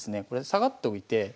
これで下がっておいて。